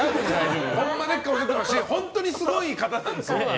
「ホンマでっか！？」も出ていますし本当にすごい方なんですよ。